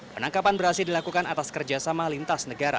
penangkapan berhasil dilakukan atas kerjasama lintas negara